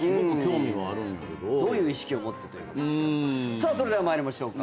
さあそれでは参りましょうか。